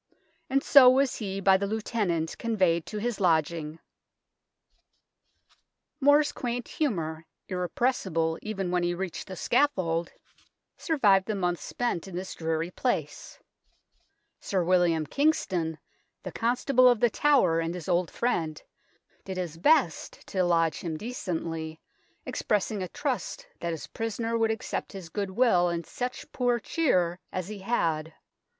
And soe was he by the Lieutenant conveyed to his lodginge." More's quaint humour, irrepressible even when he reached the scaffold, survived the 66 THE TOWER OF LONDON months spent in this dreary place. Sir William Kingston, the Constable of The Tower and his old friend, did his best to lodge him decently, expressing a trust that his prisoner would accept his goodwill and such poor cheer as he had.